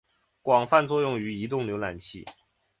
广泛作用于移动浏览器。